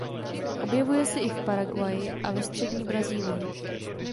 Objevuje se i v Paraguayi a ve střední Brazílii.